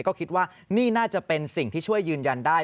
ก็คิดว่านี่น่าจะเป็นสิ่งที่ช่วยยืนยันได้